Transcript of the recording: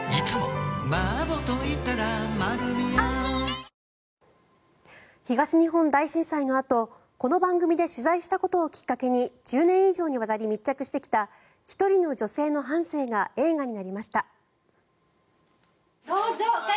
「警視庁アウトサイダー」最終回は東日本大震災のあとこの番組で取材したことをきっかけに１０年以上にわたり密着してきた１人の女性の半生が映画になりました。